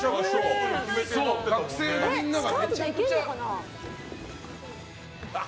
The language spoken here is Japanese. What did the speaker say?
学生のみんなが。